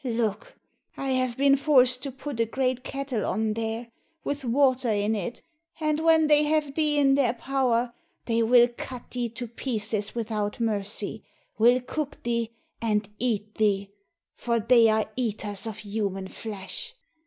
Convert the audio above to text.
Look, I have been forced to put a great kettle on there, with water in it, and when they have thee in their power, they will cut thee to pieces without mercy, will cook thee, and eat thee, for they are eaters of human flesh.